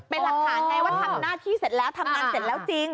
เป็นหลักฐานไงว่าทำหน้าที่เสร็จแล้วทำงานเสร็จแล้วจริง